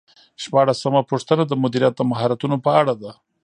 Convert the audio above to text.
شپاړسمه پوښتنه د مدیریت د مهارتونو په اړه ده.